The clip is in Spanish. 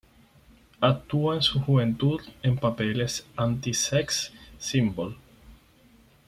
Actuó en su juventud en papeles de antisex-simbol.